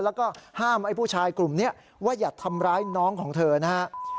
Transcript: แล้วก็ห้ามไอ้ผู้ชายกลุ่มนี้ว่าอย่าทำร้ายน้องของเธอนะฮะ